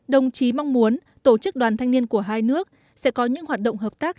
đồng chí mong muốn tổ chức đoàn thanh niên của hai nước sẽ có những hoạt động hợp tác